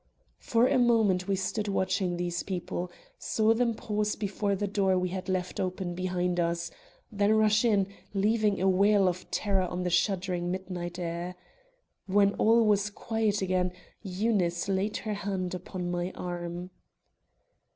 For a moment we stood watching these people; saw them pause before the door we had left open behind us, then rush in, leaving a wail of terror on the shuddering midnight air. When all was quiet again, Eunice laid her hand upon my arm.